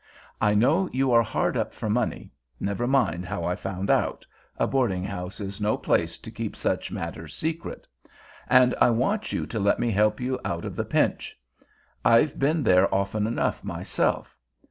I know you are hard up for money—never mind how I found out, a boarding house is no place to keep such matters secret—and I want you to let me help you out of the pinch. I've been there often enough myself.